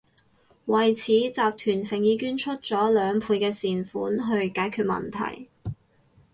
為此，集團誠意捐出咗兩倍嘅善款去解決問題